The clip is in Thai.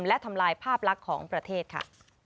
และทำลายภาพลักษณ์ของประเทศค่ะ